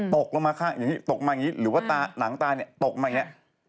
ตกลงมาข้างหนึ่งหรือว่าหนังตาตกมาอย่างนี้